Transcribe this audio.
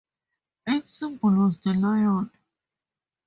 Its symbol was the lion.